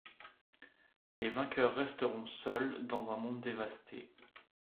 Les vainqueurs resteront seuls dans un monde dévasté.